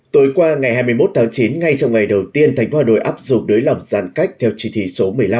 tối qua ngày hai mươi một tháng chín ngay trong ngày đầu tiên thành phố hà nội áp dụng đối lòng giãn cách theo chỉ thị số một mươi năm